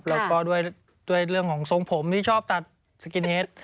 แล้วก็ด้วยเรื่องของทรงผมที่ชอบตัดสกินเฮด